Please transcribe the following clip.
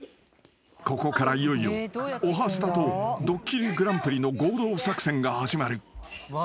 ［ここからいよいよ『おはスタ』と『ドッキリＧＰ』の合同作戦が始まる］